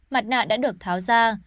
mặt nạ đã được tháo ra